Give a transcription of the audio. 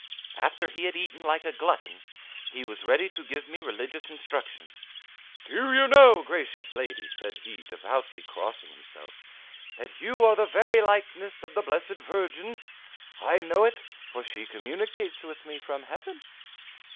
"After he had eaten like a glutton, he was ready to give me religious instruction. 'Do you know, gracious lady,' said he, devoutly crossing himself, 'that you are the very likeness of the Blessed Virgin? I know it, for she communicates with me from heaven.